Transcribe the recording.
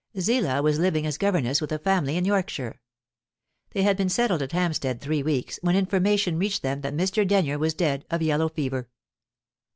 Zillah was living as governess with a family in Yorkshire. They had been settled at Hampstead three weeks, when information reached them that Mr. Denyer was dead of yellow fever.